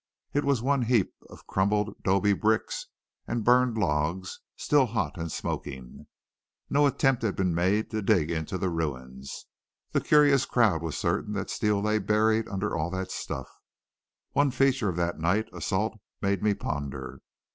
It was one heap of crumbled 'dobe bricks and burned logs, still hot and smoking. No attempt had been made to dig into the ruins. The curious crowd was certain that Steele lay buried under all that stuff. One feature of that night assault made me ponder.